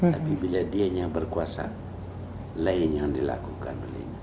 tapi bila dia yang berkuasa lain yang dilakukan